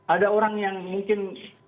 ada orang yang mungkin